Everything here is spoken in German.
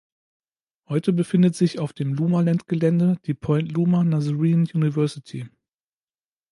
Heute befindet sich auf dem Lomaland-Gelände die Point Loma Nazarene University.